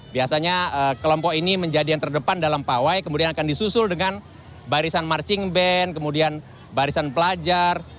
biasanya kelompok ini menjadi yang terdepan dalam pawai kemudian akan disusul dengan barisan marching band kemudian barisan pelajar